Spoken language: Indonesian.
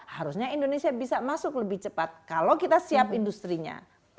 harusnya indonesia bisa masuk lebih cepat kalau kita siap industrinya